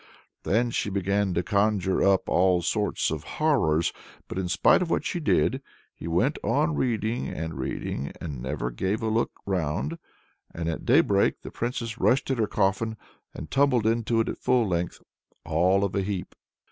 Then she began to conjure up all sorts of horrors. But in spite of all that she did, he went on reading and reading, and never gave a look round. And at daybreak the Princess rushed at her coffin, and tumbled into it at full length, all of a heap.